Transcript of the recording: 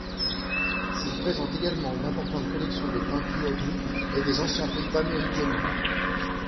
Il présente également une importante collection de peintures du et des anciens Pays-Bas méridionaux.